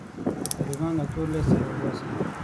طالبان له تور لیست څخه وباسي.